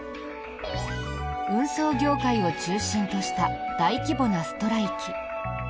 運送業界を中心とした大規模なストライキ。